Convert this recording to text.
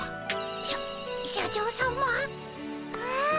しゃ社長さま。わ。